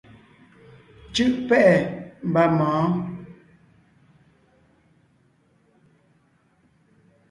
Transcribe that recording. Cú’ pɛ́’ɛ mba mɔ̌ɔn.